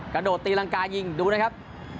กระโดดตีรังกายิงดูนะครับ